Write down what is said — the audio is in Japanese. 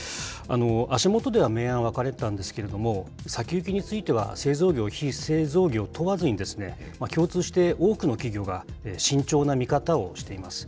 足元では明暗分かれたんですけれども、先行きについては製造業、非製造業問わずに、共通して多くの企業が慎重な見方をしています。